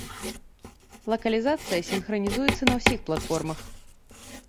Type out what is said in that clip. Лакалізацыя сінхранізуецца на ўсіх платформах.